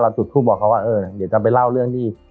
จุดทูปบอกเขาว่าเออเดี๋ยวจะไปเล่าเรื่องที่